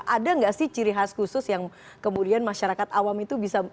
ada nggak sih ciri khas khusus yang kemudian masyarakat awam itu bisa